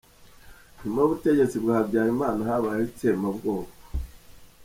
Nyuma y’ubutegetsi bwa Habyarimana, habayeho itsembabwoko.